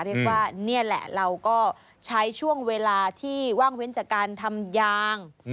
เรียกว่านี่แหละเราก็ใช้ช่วงเวลาที่ว่างเว้นจากการทำยาง